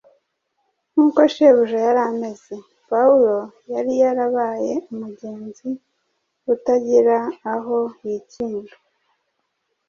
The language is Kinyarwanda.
Nk’uko Shebuja yari ameze, Pawulo yari yarabaye umugenzi utagira aho yikinga